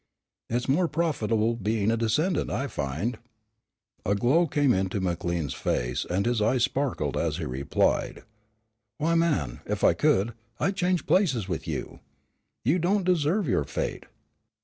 "It's more profitable being a descendant, I find." A glow came into McLean's face and his eyes sparkled as he replied: "Why, man, if I could, I'd change places with you. You don't deserve your fate.